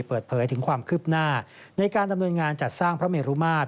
เปิดเผยถึงความคืบหน้าในการดำเนินงานจัดสร้างพระเมรุมาตร